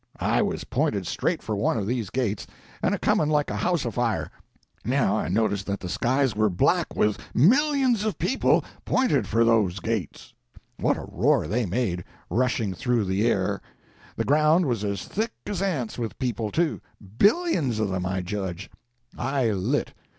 I was pointed straight for one of these gates, and a coming like a house afire. Now I noticed that the skies were black with millions of people, pointed for those gates. What a roar they made, rushing through the air! The ground was as thick as ants with people, too—billions of them, I judge. I lit.